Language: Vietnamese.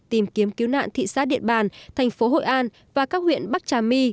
tìm kiếm cứu nạn thị xã điện bàn thành phố hội an và các huyện bắc trà my